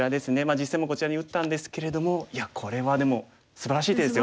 実戦もこちらに打ったんですけれどもいやこれはでもすばらしい手ですよ。